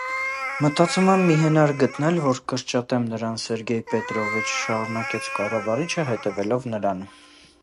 - Մտածում եմ մի հնար գտնել, որ կրճատեմ նրան, Սերգեյ Պետրովիչ,- շարունակեց կառավարիչը, հետևելով նրան: